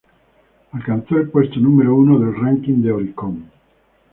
Alcanzó el puesto número uno del "ranking" del Oricon.